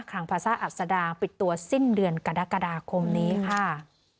ลังภาษาอัศดางปิดตัวสิ้นเดือนกรกฎาคมนี้ค่ะ